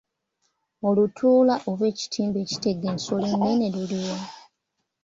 Olutuula oba ekitimba ekitega ensolo ennene luli wa?